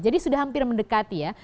jadi sudah hampir mendekati ya